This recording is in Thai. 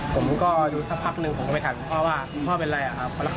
ผมก็ดูสักพักหนึ่งผมก็ไปถามคุณพ่อว่าคุณพ่อเป็นไรครับคุณพ่อขโมยหรอครับ